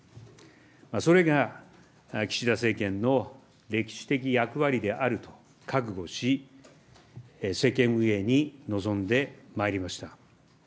それが岸田政権の歴史的役割であると覚悟し、政権運営に臨んでまいりました。